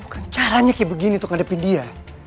bukan caranya kayak begini untuk ngadepin dia